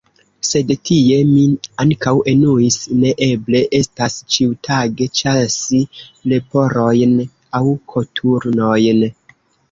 Sed tie mi ankaŭ enuis: ne eble estas ĉiutage ĉasi leporojn aŭ koturnojn!